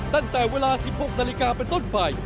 ตั้งแต่เวลา๑๖นเป็นต้นไป